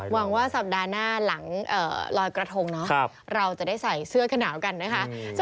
หวังว่าสัปดาห์หน้าหลังลอยกระทงเนาะเราจะได้ใส่เสื้อกระหนาวกันนะคะ